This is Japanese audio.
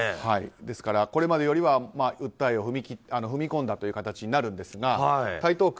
ですから、これまでよりは訴えを踏み込んだという形になるんですが台東区、